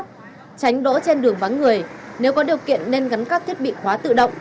tránh đỗ trên đường vắng người nếu có điều kiện nên gắn các thiết bị khóa tự động